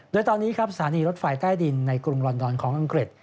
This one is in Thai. โดยตอนนี้ครับสถานีรถไฟใต้ดินในกรุงลอนดอนของอังกฤษ